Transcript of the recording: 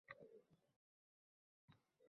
Bunda, bemor vosvos holatda hayot kechiradi.